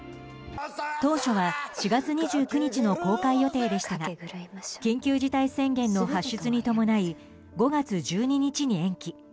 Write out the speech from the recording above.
当初は４月２９日の公開予定でしたが緊急事態宣言の発出に伴い５月１２日に延期。